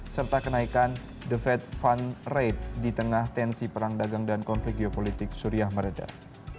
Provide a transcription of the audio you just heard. serta kenaikan the fed fund rate di tengah tensi perang dagang dan konflik geopolitik suriah meredah